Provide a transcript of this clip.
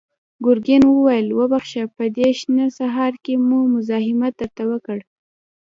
ګرګين وويل: وبخښه، په دې شنه سهار کې مو مزاحمت درته وکړ.